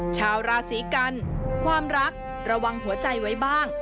ชาวราศีกันความรักระวังหัวใจไว้บ้าง